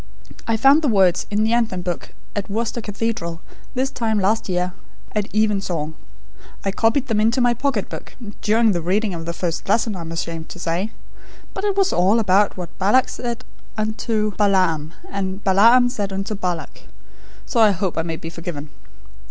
I found the words in the Anthem book at Worcester Cathedral, this time last year, at even song. I copied them into my pocket book, during the reading of the first lesson, I am ashamed to say; but it was all about what Balak said unto Balaam, and Balaam said unto Balak, so I hope I may be forgiven!